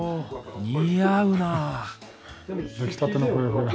似合うなあ。